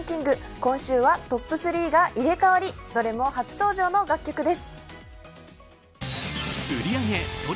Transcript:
今週はトップ３が入れ替わり、どれも初登場の楽曲です。